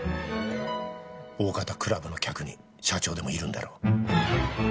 おおかたクラブの客に社長でもいるんだろう